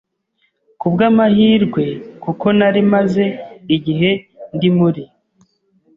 kubwa’amahirwe kuko nari maze igihe ndi muri